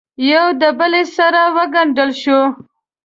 یو دبلې سره وګنډل شوې